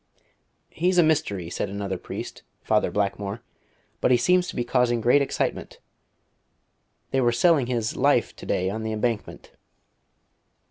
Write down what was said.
"He's a mystery," said another priest, Father Blackmore; "but he seems to be causing great excitement. They were selling his 'Life' to day on the Embankment."